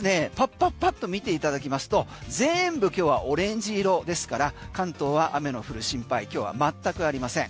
パパっと見ていただきますと全部、今日はオレンジ色ですから関東は雨の降る心配今日は全くありません。